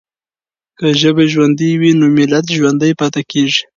که ژبه ژوندۍ وي نو ملت ژوندی پاتې کېږي.